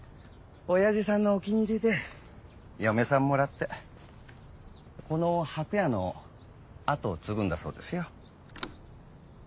おやじさんのお気に入りで嫁さんもらってこの箔屋の跡を継ぐんだそうですよ。